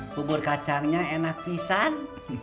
kubur kacangnya enak pisang